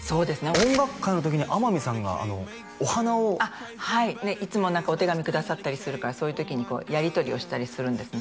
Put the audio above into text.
音楽会の時に天海さんがお花をはいいつも何かお手紙くださったりするからそういう時にやり取りをしたりするんですね